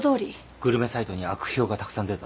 グルメサイトに悪評がたくさん出た。